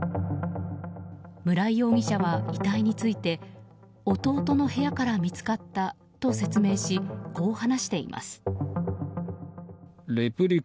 村井容疑者は遺体について弟の部屋から見つかったと説明しこう話しています。